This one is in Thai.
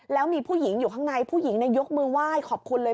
แล้วมีผู้หญิงอยู่ข้างในผู้หญิงยกมือไหว้ขอบคุณเลย